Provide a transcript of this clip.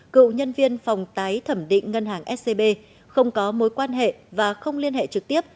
cựu nhân viên phòng tái thẩm định ngân hàng scb không có mối quan hệ và không liên hệ trực tiếp